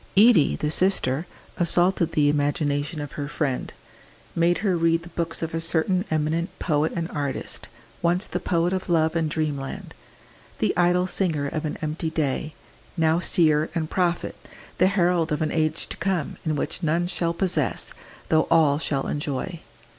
Edie, the sister, assaulted the imagination of her friend, made her read the books of a certain eminent poet and artist, once the poet of love and dreamland, "the idle singer of an empty day," now seer and prophet, the herald of an age to come, in which none shall possess, though all shall enjoy.